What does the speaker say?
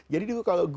jadi kalau saya